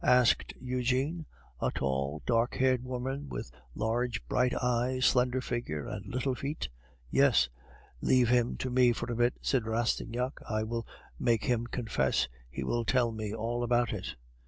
asked Eugene. "A tall, dark haired woman, with large bright eyes, slender figure, and little feet?" "Yes." "Leave him to me for a bit," said Rastignac. "I will make him confess; he will tell me all about it."